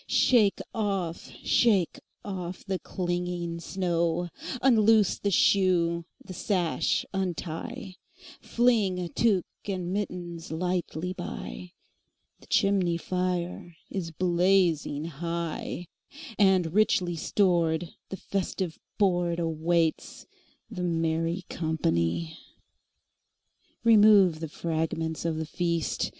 Shake off, shake off the clinging snow; Unloose the shoe, the sash untie, Fling tuque and mittens lightly by; The chimney fire is blazing high, And, richly stored, the festive boardAwaits the merry company. Remove the fragments of the feast!